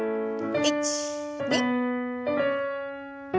１２。